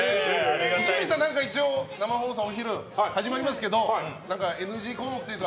伊集院さん、一応生放送、お昼始まりますけどＮＧ項目というか。